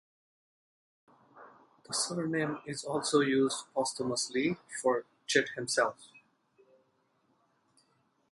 The surname is also used posthumously for Chit himself.